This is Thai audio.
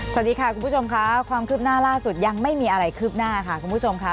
สวัสดีค่ะคุณผู้ชมค่ะความคืบหน้าล่าสุดยังไม่มีอะไรคืบหน้าค่ะคุณผู้ชมค่ะ